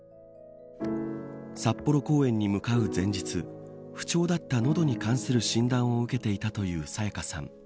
札幌公演に向かう前日不調だった喉に関する診断を受けていたという沙也加さん。